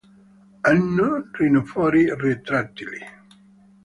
Hanno rinofori retrattili.